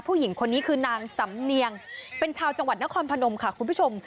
ผู้หญิงคนนี้คือนางสำเนียงเป็นชาวจังหวัดนครพนมค่ะคุณผู้ชม